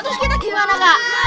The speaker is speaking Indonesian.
terus kita gimana kak